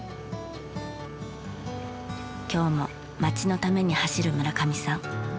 今日も町のために走る村上さん。